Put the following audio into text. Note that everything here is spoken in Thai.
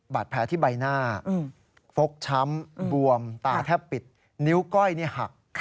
บาดแผลที่ใบหน้าฟกช้ำบวมตาแทบปิดนิ้วก้อยหัก